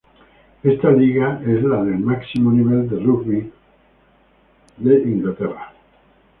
Esta liga es la de máximo nivel de Rugby Union de Inglaterra.